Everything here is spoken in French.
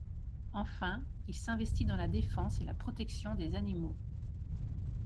Enfin, il s'investit dans la défense et la protection des animaux.